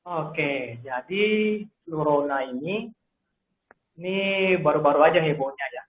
oke jadi flurona ini ini baru baru aja hebohnya ya